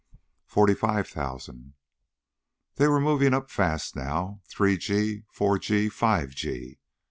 "Forty five thousand...." They were moving up fast now three g, four g, five g.